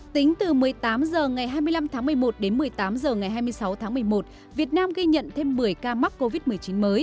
tính từ một mươi tám h ngày hai mươi năm tháng một mươi một đến một mươi tám h ngày hai mươi sáu tháng một mươi một việt nam ghi nhận thêm một mươi ca mắc covid một mươi chín mới